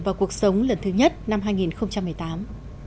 vào cuộc sống lần thứ nhất năm hai nghìn một mươi tám